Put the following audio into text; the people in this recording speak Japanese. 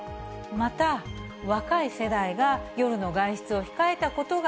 また、若い世代が夜の外出を控えたことが、